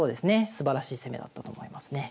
すばらしい攻めだったと思いますね。